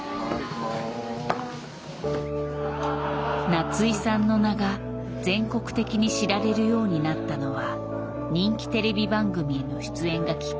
夏井さんの名が全国的に知られるようになったのは人気テレビ番組への出演がきっかけだ。